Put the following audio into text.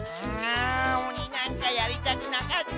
あおになんかやりたくなかった。